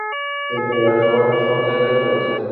তোর পরিবারের সবার সব জায়গায় চুল আছে?